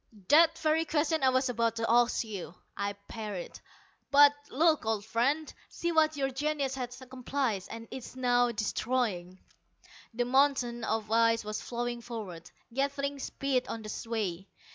"The very question I was about to ask you," I parried. "But look, old friend: see what your genius has accomplished and is now destroying." The mountain of ice was flowing forward, gathering speed on the way.